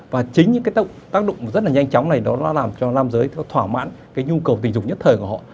và chính những cái tác dụng rất là nhanh chóng này nó làm cho nam giới nó thỏa mãn cái nhu cầu tình dục nhất thời của họ